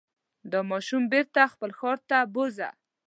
دا ماشوم بېرته خپل ښار ته بوځه.